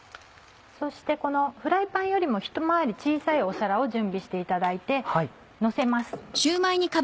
そしてこのフライパンよりもひと回り小さい皿を準備していただいてのせます。